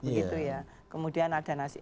begitu ya kemudian ada nasib